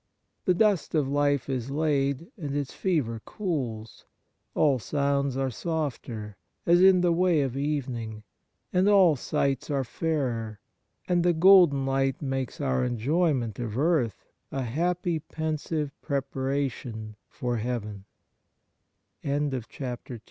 The dust of life is laid, and its fever cool. All sounds are softer, as in the way of evening, and all sights are fairer, and the golden light makes our enjoyment of earth a happily pensive p